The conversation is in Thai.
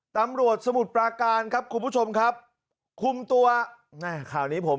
สมุทรปราการครับคุณผู้ชมครับคุมตัวแม่ข่าวนี้ผม